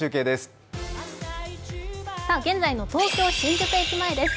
現在の東京・新宿駅前です